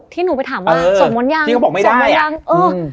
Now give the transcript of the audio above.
ที่หนูไปถามว่าสมมติยังที่เขาบอกไม่ได้